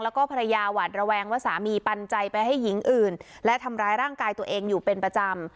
แล้วก็ภรรยาหวาดระแวงว่าสามีปันใจไปให้หญิงอื่นและทำร้ายร่างกายตัวเองอยู่เป็นประจำ